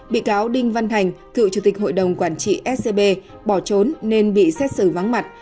bị cáo đinh văn thành cựu chủ tịch hội đồng quản trị scb bỏ trốn nên bị xét xử vắng mặt